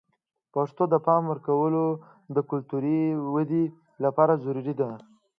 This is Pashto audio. پښتو ته د پام ورکول د کلتوري ودې لپاره ضروري دي.